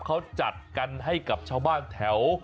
เขาจัดกันให้กับชาวบ้านแถว